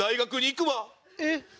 えっ！